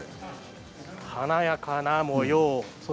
華やかな模様。